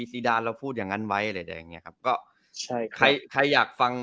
ซีด้านเราพูดอย่างงั้นไว้อะไรแบบเนี้ยครับก็ใช่ครับใครใครอยากฟัง